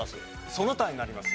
その他になります。